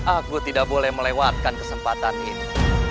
aku tidak boleh melewatkan kesempatan ini